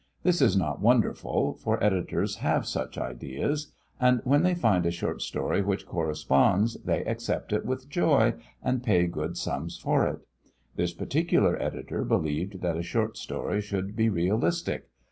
This is not wonderful, for editors have such ideas; and when they find a short story which corresponds, they accept it with joy and pay good sums for it. This particular editor believed that a short story should be realistic.